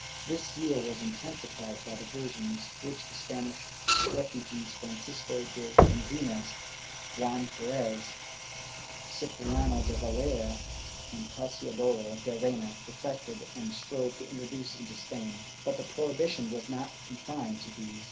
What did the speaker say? ^ This zeal was intensified by the versions which the Spanish refugees — Francisco de Enzinas, Juan Perez, Cipriano de Valera and Cassiodoro de Reina — perfected and strove to introduce into Spain, but the prohibition was not confined to these.